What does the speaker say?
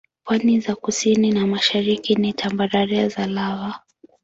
Pwani za kusini na mashariki ni tambarare za lava.